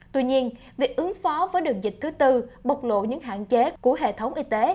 tuy nhiên việc ứng phó với đường dịch thứ tư bộc lộ những hạn chế của hệ thống y tế